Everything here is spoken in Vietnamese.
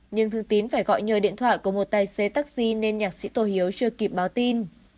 nhưng thương tín phải gọi nhờ điện thoại của một tài xế taxi nên nhạc sĩ tô hiếu chưa kịp báo tin